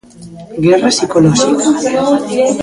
Guerra psicolóxica.